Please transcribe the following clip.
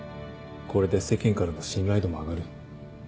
これで世間からの信頼度も上がる。